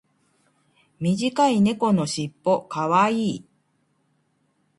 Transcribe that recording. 短い猫のしっぽ可愛い。